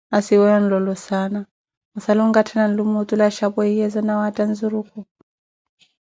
maasi weeyo onlolo saana, ossala onkathala nlume otule achapweiyezo na waatha nzurukhu